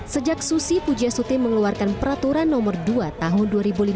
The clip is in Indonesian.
sejak susi pujasuti mengeluarkan peraturan nomor dua tahun dua ribu lima belas